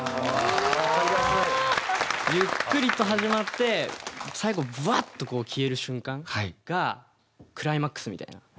ゆっくりと始まって最後ぶわっと消える瞬間がクライマックスみたいな。